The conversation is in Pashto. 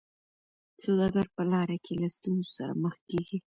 سوداګر په لاره کي له ستونزو سره مخ کیږي.